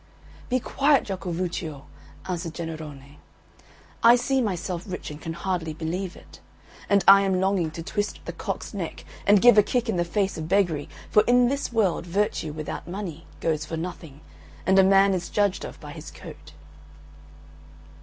"Be quiet, Jacovuccio," answered Jennarone; "I see myself rich and can hardly believe it, and I am longing to twist the cock's neck and give a kick in the face of beggary, for in this world virtue without money goes for nothing, and a man is judged of by his coat."